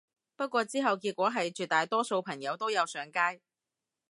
不過之後結果係絕大多數朋友都有上街